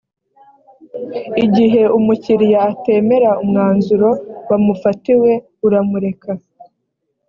igihe umukiriya atemera umwanzuro wamufatiwe uramureka